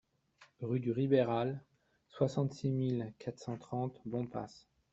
Rue du Ribéral, soixante-six mille quatre cent trente Bompas